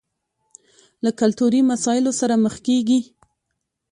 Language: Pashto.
له کلتوري مسايلو سره مخ کېږي.